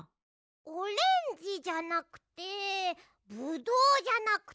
オレンジじゃなくてブドウじゃなくて。